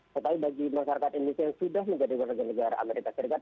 tetapi bagi masyarakat indonesia yang sudah menjadi warga negara amerika serikat